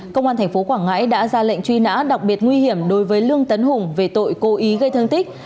công an tp quảng ngãi đã ra lệnh truy nã đặc biệt nguy hiểm đối với lương tấn hùng về tội cố ý gây thương tích